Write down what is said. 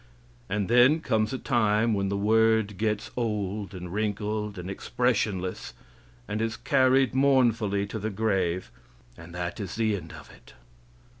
And then comes a time when the word gets old, and wrinkled, and expressionless, and is carried mournfully to the grave, and that is the end of it.